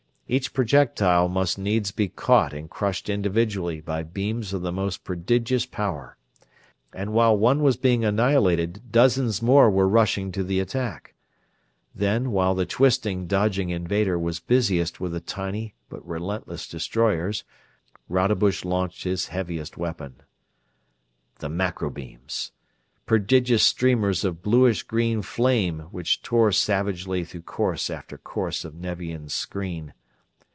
Each projectile must needs be caught and crushed individually by beams of the most prodigious power; and while one was being annihilated dozens more were rushing to the attack. Then, while the twisting, dodging invader was busiest with the tiny but relentless destroyers, Rodebush launched his heaviest weapon. The macro beams! Prodigious streamers of bluish green flame which tore savagely through course after course of Nevian screen!